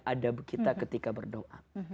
adab kita ketika berdoa